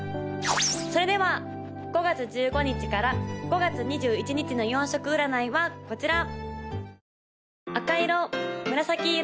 ・それでは５月１５日から５月２１日の４色占いはこちら！